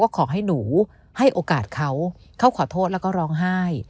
ขอให้หนูให้โอกาสเขาเขาขอโทษแล้วก็ร้องไห้